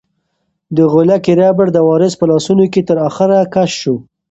د غولکې ربړ د وارث په لاسونو کې تر اخره کش شو.